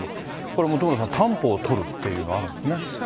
これ本村さん、担保を取るっていうのあるんですね。